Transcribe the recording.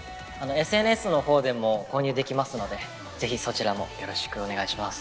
ＳＮＳの方でも購入できますのでぜひそちらもよろしくお願いします。